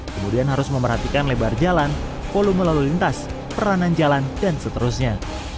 kemudian harus memperhatikan lebar jalan volume lalu lintas peranan jalan dan seterusnya